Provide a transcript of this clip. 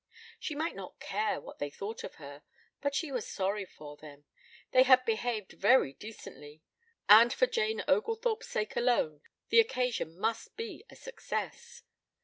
She might not care what they thought of her, but she was sorry for them, they had behaved very decently, and for Jane Oglethorpe's sake alone the occasion must be a success.